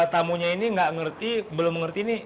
tamu ini belum mengerti